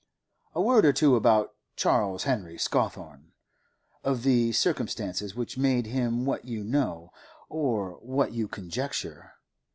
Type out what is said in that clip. A word or two about Charles Henry Scawthorne, of the circumstances which made him what you know, or what you conjecture.